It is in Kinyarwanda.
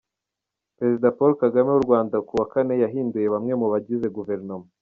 Perezida Paul Kagame w'u Rwanda ku wa kane yahinduye bamwe mu bagize guverinoma.